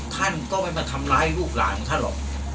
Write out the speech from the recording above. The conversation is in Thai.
ท่านก็ไม่มาทำร้ายลูกหลานของท่านหรอก